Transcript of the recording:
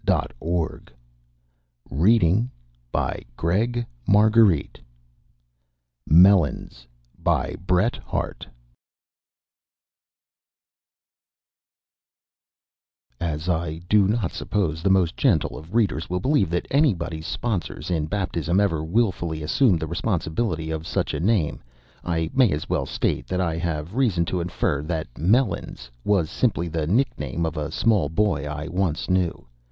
THE WIT AND HUMOR OF AMERICA MELONS BY BRET HARTE As I do not suppose the most gentle of readers will believe that anybody's sponsors in baptism ever wilfully assumed the responsibility of such a name, I may as well state that I have reason to infer that Melons was simply the nickname of a small boy I once knew.